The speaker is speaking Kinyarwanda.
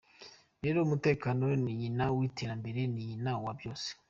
Rero umutekano ni nyina w’iterambere; ni nyina wa byose.